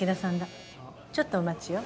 ちょっとお待ちを。